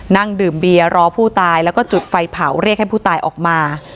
นั่งดื่มเบียร์รอผู้ตายแล้วก็จุดไฟเผาเรียกให้ผู้ตายออกมา